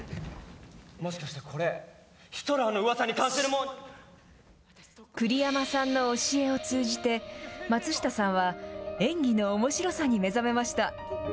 もしかしてこれ、栗山さんの教えを通じて、松下さんは、演技のおもしろさに目覚めました。